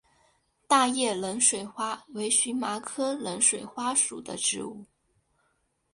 大叶冷水花为荨麻科冷水花属的植物。